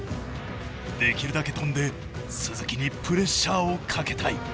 できるだけ跳んで鈴木にプレッシャーをかけたい。